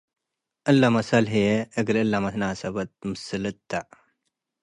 እለ መሰል ህዬ እግል እለ መናሰበት ምስልት ተ ።